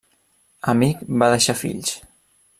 Amic va deixar fills: